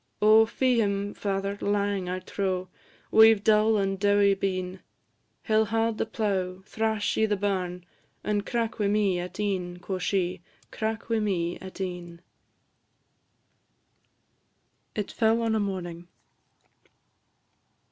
Oh, fee him, father; lang, I trow, We 've dull and dowie been: He 'll haud the plough, thrash i' the barn, And crack wi' me at e'en," quo' she; "Crack wi' me at e'en." IT FELL ON A MORNING.